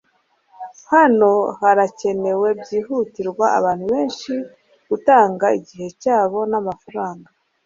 hano harakenewe byihutirwa abantu benshi gutanga igihe cyabo namafaranga